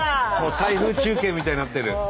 台風中継みたいになってる。